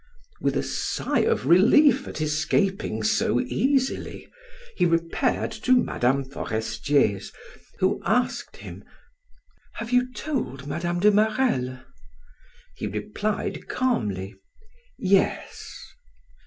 With a sigh of relief at escaping so easily, he repaired to Mme. Forestier's, who asked him: "Have you told Mme. de Marelle?" He replied calmly: "Yes."